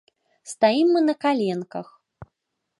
Стаім мы на каленках.